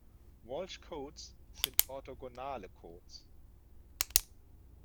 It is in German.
Walsh-Codes sind orthogonale Codes.